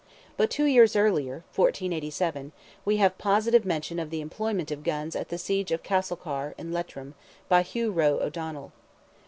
But two years earlier (1487) we have positive mention of the employment of guns at the siege of Castlecar, in Leitrim, by Hugh Roe O'Donnell.